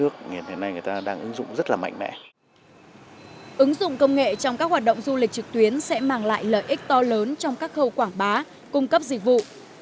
ứng dụng công nghệ trong các hoạt động du lịch trực tuyến sẽ mang lại lợi ích to lớn trong các khâu quảng bá cung cấp dịch vụ